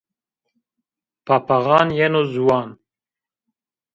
Papaxan yeno ziwan.